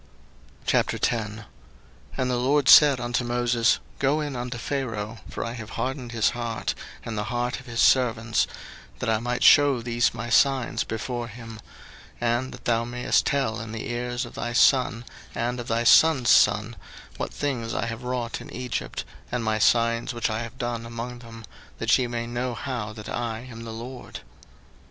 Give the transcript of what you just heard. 02:010:001 And the LORD said unto Moses, Go in unto Pharaoh: for I have hardened his heart, and the heart of his servants, that I might shew these my signs before him: 02:010:002 And that thou mayest tell in the ears of thy son, and of thy son's son, what things I have wrought in Egypt, and my signs which I have done among them; that ye may know how that I am the LORD.